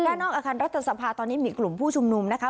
ด้านนอกอาคารรัฐสภาตอนนี้มีกลุ่มผู้ชุมนุมนะคะ